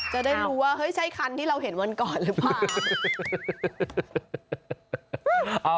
จะได้รู้ว่าเฮ้ยใช่คันที่เราเห็นวันก่อนหรือเปล่า